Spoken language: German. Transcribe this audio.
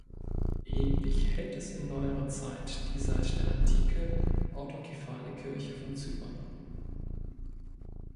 Ähnlich hält es in neuerer Zeit die seit der Antike autokephale Kirche von Zypern.